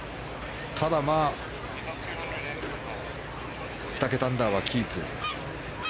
ただ、２桁アンダーはキープ。